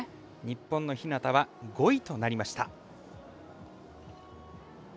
日本の日向は５位となりました。